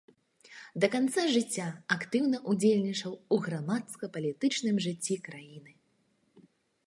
Да канца жыцця актыўна ўдзельнічаў у грамадска-палітычным жыцці краіны.